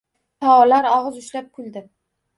Faollar og‘iz ushlab kuldi.